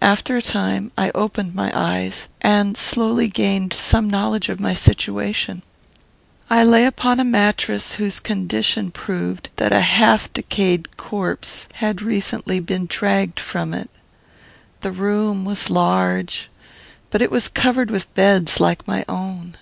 After a time I opened my eyes, and slowly gained some knowledge of my situation. I lay upon a mattress, whose condition proved that a half decayed corpse had recently been dragged from it. The room was large, but it was covered with beds like my own.